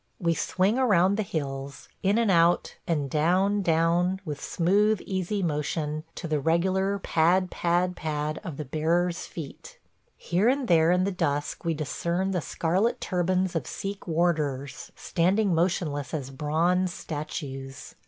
We swing around the hills – in and out, and down, down, with smooth, easy motion – to the regular pad, pad, pad of the bearers' feet. Here and there in the dusk we discern the scarlet turbans of Sikh warders, standing motionless as bronze statues.